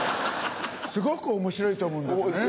すごく面白いと思うんだよね。